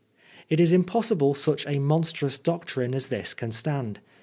It is impossible such a monstrous doctrine ' as this can stand.